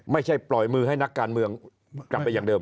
ไม่ใช่ปล่อยมือให้นักการเมืองกลับไปอย่างเดิม